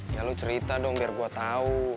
ya lu cerita dong biar gue tau